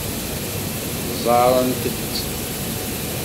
Ẓẓarent-t.